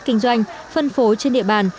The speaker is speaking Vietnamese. kinh doanh phân phối trên địa bàn